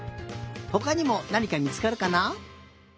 ほかにもなにかみつかるかな？